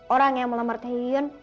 orang yang melamar tae hyun